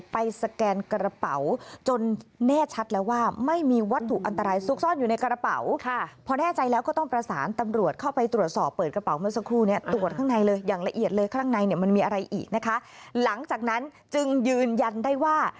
ไปสแกนกระเป๋าจนแน่ชัดแล้วว่า